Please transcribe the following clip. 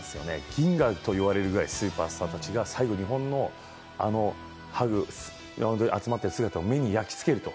銀河といわれるくらいスーパー集団の最後、日本のハグ、集まっている姿を目に焼き付けると。